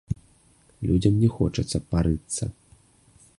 Людзям не хочацца парыцца.